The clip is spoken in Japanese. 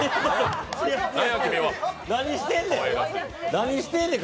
何してんねん。